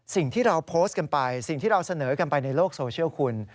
สิ่งที่เราโพสต์กันไปสิ่งที่เราเสนอกันไปในโลกโซเชียลคุณ